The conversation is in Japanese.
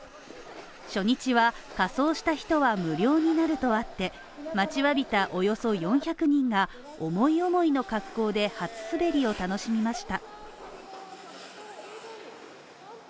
初日は仮装した人は無料になるとあって、待ちわびたおよそ４００人が思い思いの格好で初滑りを楽しみました。